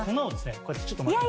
こうやってちょっとまきます。